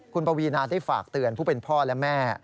คุณปวีนาได้ฝากเตือนผู้เป็นพ่อและแม่